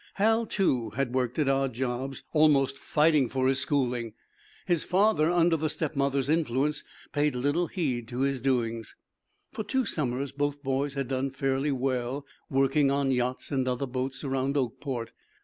Hal, too, had worked at odd jobs, almost fighting for his schooling. His father, under the stepmother's influence, paid little heed to his doings. For two summers both boys had done fairly well working on yachts and other boats around Oakport.